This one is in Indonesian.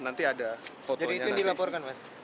jadi itu yang dilaporkan mas